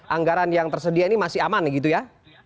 anggaran yang tersedia ini masih aman gitu ya